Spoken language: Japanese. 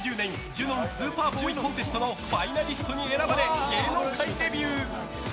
ジュノン・スーパーボーイ・コンテストのファイナリストに選ばれ芸能界デビュー。